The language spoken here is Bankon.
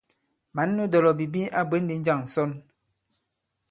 Mǎn nu dɔ̀lɔ̀bìbi a bwě ndi njâŋ ǹsɔn ?